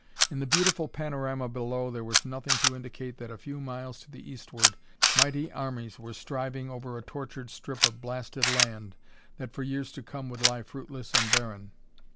In the beautiful panorama below there was nothing to indicate that a few miles to the eastward mighty armies were striving over a tortured strip of blasted land that for years to come would lie fruitless and barren.